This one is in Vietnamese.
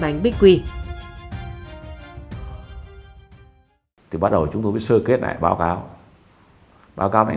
một lần quyết đưa cho trinh một năm triệu đồng để ăn đường và mua một chiếc xe đạp ở điện biên để lên nhà tám cho tiền